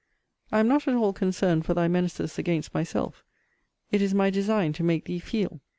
I am not at all concerned for thy menaces against myself. It is my design to make thee feel.